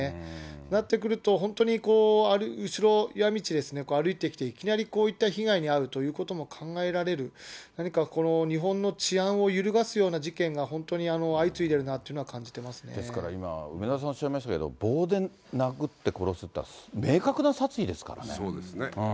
なってくると、本当に後ろ、夜道を歩いていきなりこういった被害に遭うということも考えられる、何か日本の治安を揺るがすような事件が本当に相次いでいるなですから今、梅沢さんおっしゃいましたけど、棒で殴って殺すっていうのは、そうですね。